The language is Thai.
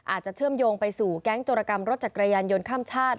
เชื่อมโยงไปสู่แก๊งโจรกรรมรถจักรยานยนต์ข้ามชาติ